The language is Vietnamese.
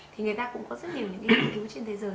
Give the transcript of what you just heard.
thì người ta cũng có rất nhiều những nghiên cứu trên thế giới